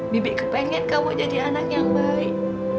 bibi kepengen kamu jadi anak yang baik